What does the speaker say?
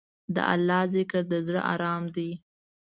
د الله ذکر، د زړه ارام دی.